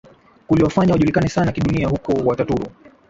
kuliwafanya wajulikane sana kidunia kuliko Wataturu